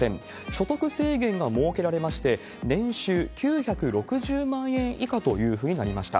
所得制限が設けられまして、年収９６０万円以下というふうになりました。